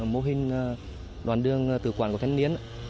mô hình đoàn đường tự quản của thanh niên